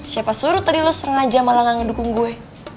siapa suruh tadi lo sengaja malah gak ngedukung gue